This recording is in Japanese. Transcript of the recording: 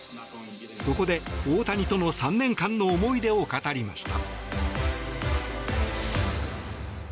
そこで大谷との３年間の思い出を語りました。